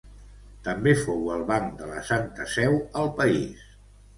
També fou el banc de la Santa Seu al país.